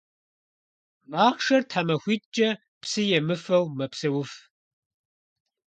Махъшэр тхьэмахуитIкIэ псы емыфэу мэпсэуф.